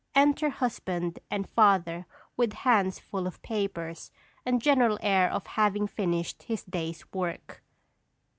Enter husband and father with hands full of papers and general air of having finished his day's work.